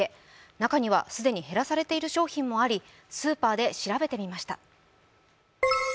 中には既に減らされている商品もあり、スーパーで調べてみました。